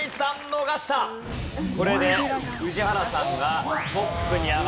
これで宇治原さんがトップに上がります。